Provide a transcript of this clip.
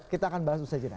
kita akan bahas besarnya